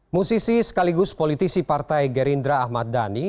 musisi sekaligus politisi partai gerindra ahmad dhani